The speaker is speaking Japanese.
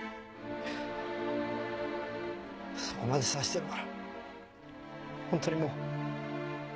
そこまで察しているなら本当にもう。